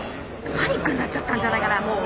パニックになっちゃったんじゃないかなもう。